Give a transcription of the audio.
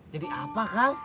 jadi apa kang